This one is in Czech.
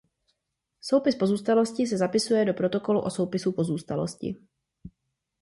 Soupis pozůstalosti se zapisuje do protokolu o soupisu pozůstalosti.